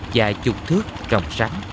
dài chục thước trồng rắn